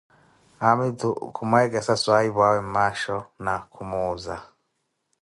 Haamitu kuh mwekesa swahipwaawe mmasho na khumuzela